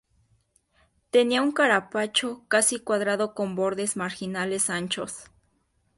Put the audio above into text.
Tenía un carapacho casi cuadrado con bordes marginales anchos.